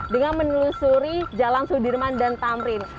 dengan menelusuri jalan sudirman dan tamrin